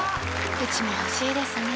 うちも欲しいですね